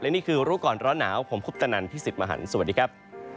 นี่คือรู้ก่อนร้อนหนาวผมคุปตนันพี่สิทธิ์มหันฯสวัสดีครับ